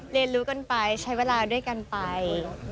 เรียนรู้กันไปใช้เวลาด้วยกันไป